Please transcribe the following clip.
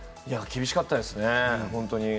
厳しかったですね。